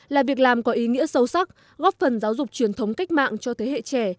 là việc làm có ý nghĩa sâu sắc góp phần giáo dục truyền thống cách mạng cho thế hệ trẻ